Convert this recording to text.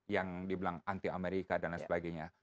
yang dibilang anti amerika dan lain sebagainya